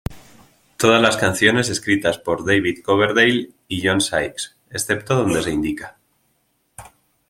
Todas las canciones escritas por David Coverdale y John Sykes, excepto donde se indica.